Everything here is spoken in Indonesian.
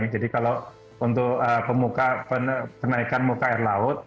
jadi kalau untuk kenaikan muka air laut